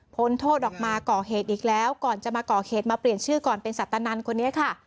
โทษออกมาก่อเหตุอีกแล้วก่อนจะมาก่อเหตุมาเปลี่ยนชื่อก่อนเป็นสัตนันคนนี้ค่ะ